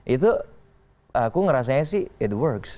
itu aku ngerasanya sih it works